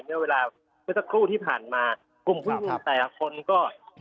เมื่อเวลาเมื่อสักครู่ที่ผ่านมากลุ่มผู้ชุมนุมแต่ละคนก็